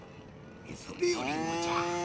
それよりもじゃ。